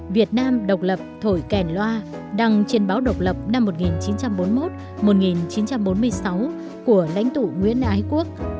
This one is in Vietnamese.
việt nam độc lập thổi kèn loa đăng trên báo độc lập năm một nghìn chín trăm bốn mươi một một nghìn chín trăm bốn mươi sáu của lãnh tụ nguyễn ái quốc